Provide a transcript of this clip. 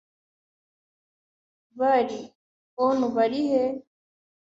bari! On'y, barihe? ”